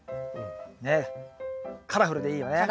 ねっカラフルでいいよね。